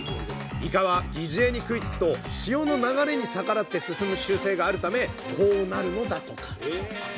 イカは擬似餌に食いつくと潮の流れに逆らって進む習性があるためこうなるのだとか。